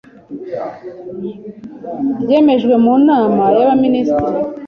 ryemejwe mu Nama y’Abaminisitiri